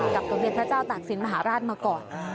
สมเด็จพระเจ้าตากศิลป์มหาราชมาก่อน